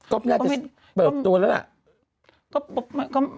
ก็น่าจะเปิดตัวแล้วล่ะ